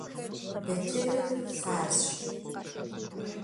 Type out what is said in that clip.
Бытырыр фарзщ.